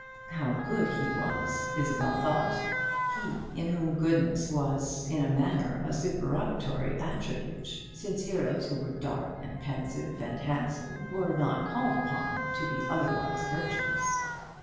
How good he was! Isabel thought; he in whom goodness was in a manner a supererogatory attribute; since heroes who were dark, and pensive, and handsome, were not called upon to be otherwise virtuous.